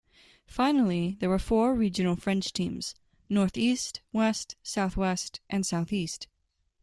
Finally, there were four regional French teams: North-East, West, South-West and South-East.